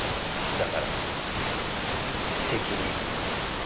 だから責任持て。